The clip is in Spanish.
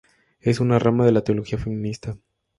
Es una rama de teología feminista.